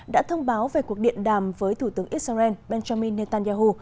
đã thông báo về cuộc điện đàm với thủ tướng israel benjamin netanyahu